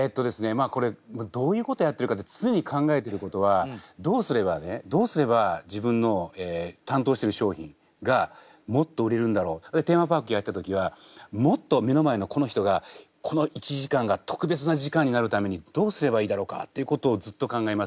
まあこれどういうことやってるかって常に考えてることはどうすればねテーマパークやった時はもっと目の前のこの人がこの１時間が特別な時間になるためにどうすればいいだろうかっていうことをずっと考えます。